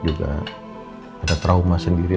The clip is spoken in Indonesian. juga ada trauma sendiri